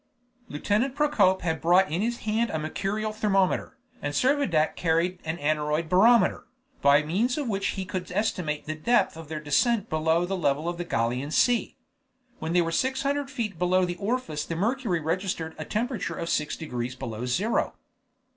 Lieutenant Procope had brought in his hand a mercurial thermometer, and Servadac carried an aneroid barometer, by means of which he could estimate the depth of their descent below the level of the Gallian Sea. When they were six hundred feet below the orifice the mercury registered a temperature of 6 degrees below zero.